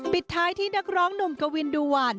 ปิดท้ายที่นักร้องหนุ่มกวินดูหวาน